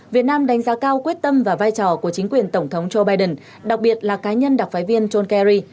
việt nam đánh giá cao quyết tâm và vai trò của chính quyền tổng thống joe biden đặc biệt là cá nhân đặc phái viên john kerry